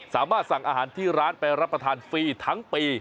สามารถสั่งอาหารที่ร้านไปรับประทานฟรีทั้งปี